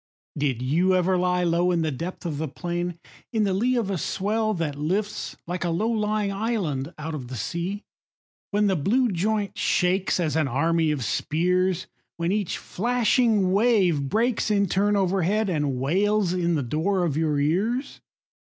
Did you ever lie low In the depth of the plain, & In the lee of a swell that lifts Like a low lying island out of the sea, When the blue joint shakes As an army of spears; When each flashing wave breaks In turn overhead And wails in the door of your ears